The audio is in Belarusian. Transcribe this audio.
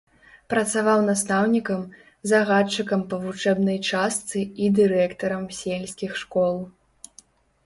Працаваў настаўнікам, загадчыкам па вучэбнай частцы і дырэктарам сельскіх школ.